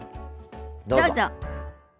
どうぞ。